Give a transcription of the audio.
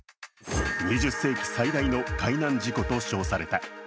２０世紀最大の海難事故と称された。